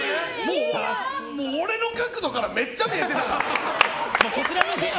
俺の角度からめっちゃ見えてたよ。